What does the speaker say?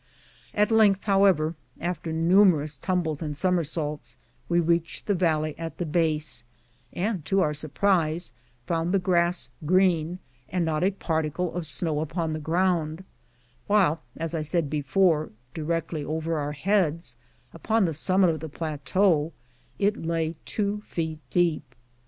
At length, how ever, after numerous tumbles and somersaults, we reached the valley at the base, and, to our surprise, found the grass green, and not a particle of snow upon the ground, while, as I said before, directly over our heads, upon the summit of the plateau, it lay two feet deep.